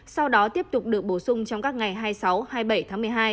sau đó tiếp tục được bổ sung trong các ngày hai mươi sáu hai mươi bảy tháng một mươi hai